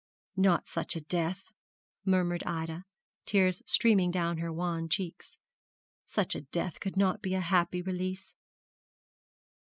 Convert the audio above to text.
'Not such a death,' murmured Ida, tears streaming down her wan cheeks; 'such a death could not be a happy release.'